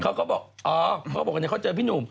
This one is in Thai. เขาก็บอกอ๋อเขาบอกว่าเดี๋ยวเขาเจอพี่หนุ่ม